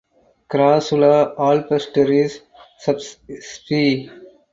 Crassula alpestris subsp.